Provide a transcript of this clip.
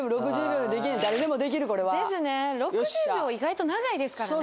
６０秒意外と長いですからね